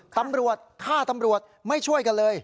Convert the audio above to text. ตำรวจฆ่าตำรวจไม่ช่วยกันเลย